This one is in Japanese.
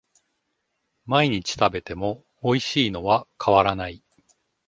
毎日食べてもおいしいのは変わらない